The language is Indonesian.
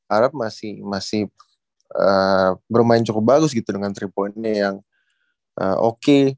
arab masih bermain cukup bagus gitu dengan tiga pointnya yang oke